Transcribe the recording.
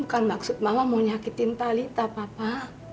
bukan maksud mama mau nyakitin talita papa